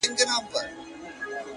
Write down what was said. ځكه چي دا خو د تقدير فيصله؛